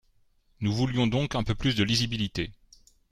Nous voulions donc un peu plus de lisibilité.